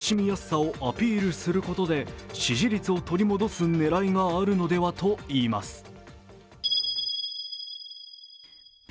親しみやすさをアピールすることで支持率を取り戻す狙いがあるのではといいます。